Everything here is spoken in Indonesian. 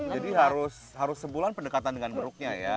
jadi harus sebulan pendekatan dengan beruknya ya